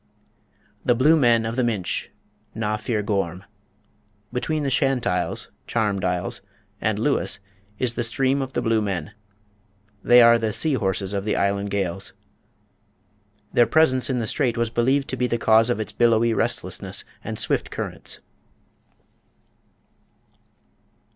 The Blue Men of the Minch (Na Fir Ghorm). Between the Shant Isles (Charmed Isles) and Lewis is the "Stream of the Blue Men." They are the "sea horses" of the island Gaels. Their presence in the strait was believed to be the cause of its billowy restlessness and swift currents.